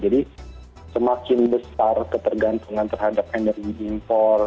jadi semakin besar ketergantungan terhadap energi impor